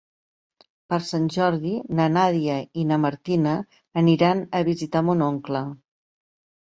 Per Sant Jordi na Nàdia i na Martina aniran a visitar mon oncle.